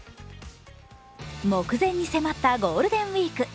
目前に迫ったゴールデンウイーク。